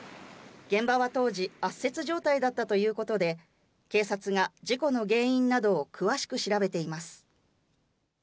現場は当時、圧雪状態だったということで警察が事故の原因などを詳しく調べています。